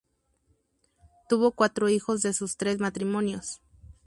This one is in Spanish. Tuvo cuatro hijos de sus tres matrimonios.